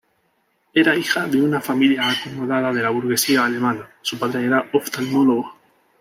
Era hija de una familia acomodada de la burguesía alemana, su padre era oftalmólogo.